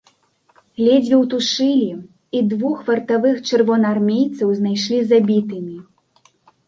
Ледзьве ўтушылі, і двух вартавых чырвонаармейцаў знайшлі забітымі.